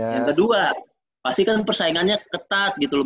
yang kedua pasti kan persaingannya ketat gitu loh